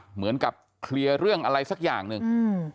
เหมือนกับเคลียร์เรื่องอะไรสักอย่างหนึ่งอืม